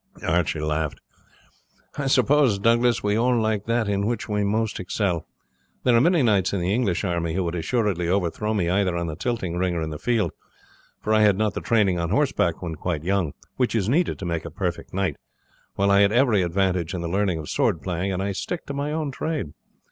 Archie laughed. "I suppose, Douglas, we all like best that in which we most excel. There are many knights in the English army who would assuredly overthrow me either in the tilting ring or in the field, for I had not the training on horseback when quite young which is needed to make a perfect knight, while I had every advantage in the learning of sword playing, and I stick to my own trade.